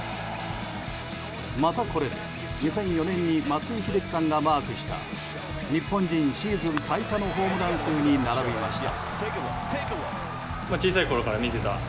またこれで２００４年に松井秀喜さんがマークした日本人シーズン最多のホームラン数に並びました。